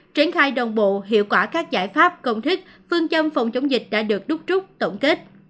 triển khai đồng bộ hiệu quả các giải pháp công thức phương châm phòng chống dịch đã được đúc trúc tổng kết